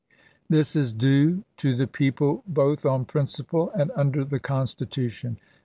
This is due to the people both on principle and under the Constitution.